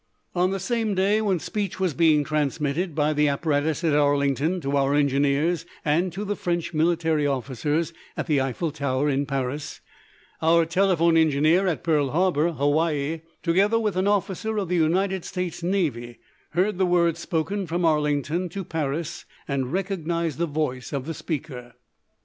On the same day when speech was being transmitted by the apparatus at Arlington to our engineers and to the French military officers at the Eiffel Tower in Paris, our telephone engineer at Pearl Harbor, Hawaii, together with an officer of the United States Navy, heard the words spoken from Arlington to Paris and recognized the voice of the speaker.